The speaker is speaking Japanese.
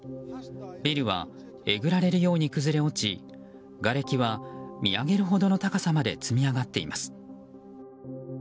ビルはえぐられるように崩れ落ちがれきは見上げるほどの高さまで積み上がっています。